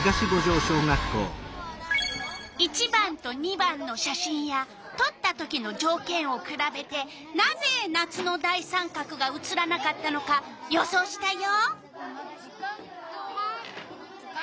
１番と２番の写真やとった時のじょうけんをくらべてなぜ夏の大三角が写らなかったのか予想したよ。